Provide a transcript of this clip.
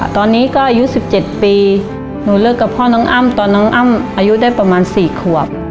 ตอนนี้ก็อายุ๑๗ปีหนูเลิกกับพ่อน้องอ้ำตอนน้องอ้ำอายุได้ประมาณ๔ขวบ